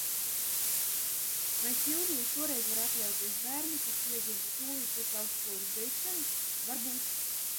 Vai Silvija šoreiz var atļauties bērnu, kas piedzimtu tūlīt pēc augstskolas beigšanas, varbūt?